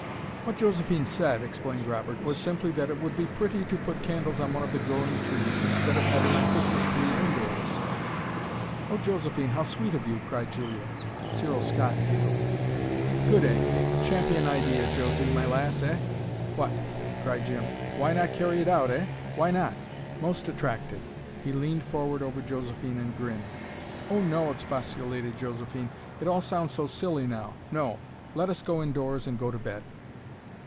"What Josephine said," explained Robert, "was simply that it would be pretty to put candles on one of the growing trees, instead of having a Christmas tree indoors." "Oh, Josephine, how sweet of you!" cried Julia. Cyril Scott giggled. "Good egg! Champion idea, Josey, my lass. Eh? What !" cried Jim. "Why not carry it out eh? Why not? Most attractive." He leaned forward over Josephine, and grinned. "Oh, no!" expostulated Josephine. "It all sounds so silly now. No. Let us go indoors and go to bed."